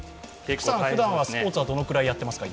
ふだんスポーツはどのくらいやってますか？